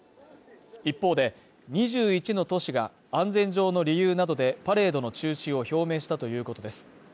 一方で、２１の都市が安全上の理由などでパレードの中止を表明したということです。